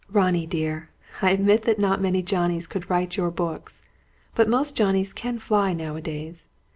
"Ronnie dear, I admit that not many Johnnies could write your books. But most Johnnies can fly, now a days!